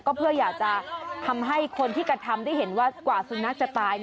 ก็เพื่ออยากจะทำให้คนที่กระทำได้เห็นว่ากว่าสุนัขจะตาย